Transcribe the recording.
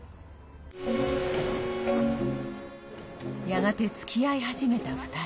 やがて、つきあい始めた２人。